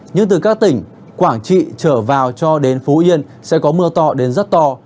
nhưng từ các tỉnh quảng trị trở vào cho đến phú yên sẽ có mưa to đến rất to